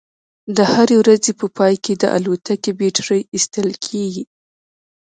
د هرې ورځې په پای کې د الوتکې بیټرۍ ایستل کیږي